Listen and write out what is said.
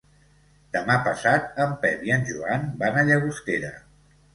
Demà passat en Pep i en Joan van a Llagostera.